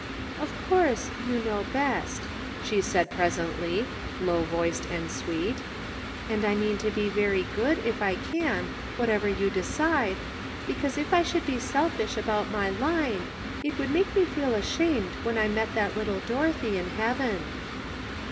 "Of course you know best," she said presently, low voiced and sweet ;" and I mean to be very good, if I can, whatever you decide, because if I should be selfish about my Line it would make me feel ashamed when I met that little Dorothy in heaven."